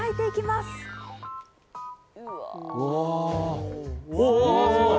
すごい！